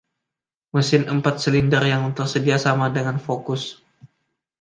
Mesin empat silinder yang tersedia sama dengan Focus.